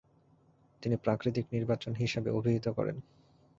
তিনি প্রাকৃতিক নির্বাচন হিসাবে অভিহিত করেন।